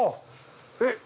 えっ。